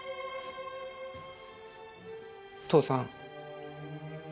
父さん。